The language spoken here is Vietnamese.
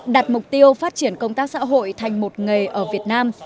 đặt mục tiêu phát triển công tác xã hội thành một nghề ở việt nam